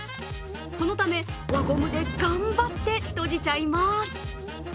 そのため、輪ゴムで頑張って閉じちゃいます。